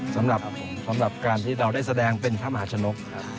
สำหรับการที่เราได้แสดงเป็นพระมหาชนก